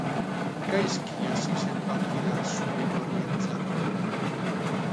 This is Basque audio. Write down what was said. Gaizki hasi zen partida zuri-gorrientzat.